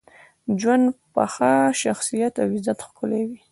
ژوند په ښه شخصیت او عزت ښکلی وي.